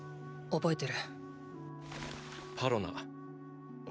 覚えてる。